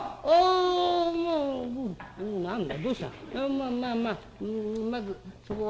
「まあまあまあまずそこは。